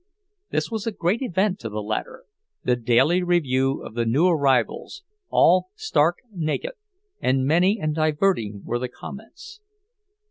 This was a great event to the latter—the daily review of the new arrivals, all stark naked, and many and diverting were the comments.